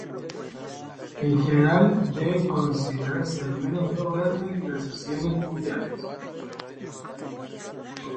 En general, deben considerarse al menos dos grandes glaciaciones mundiales.